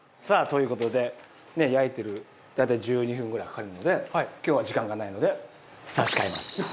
さあという事で焼いてる大体１２分ぐらいかかるので今日は時間がないので差し替えます。